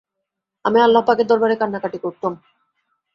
আমি আল্লাহপাকের দরবারে কান্নাকাটি কুরতাম।